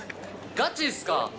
ガチっすか。